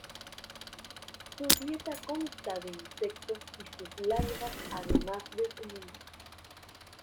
Su dieta consta de insectos y sus larvas además de semillas.